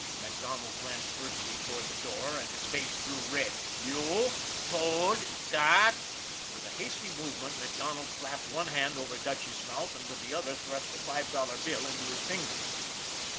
MacDonald glanced furtively to ward the door, and his face grew red " you told dot " With a hasty movement, MacDonald clapped one hand over Dutchy's mouth, and with the other thrust a five dollar bill into his fingers.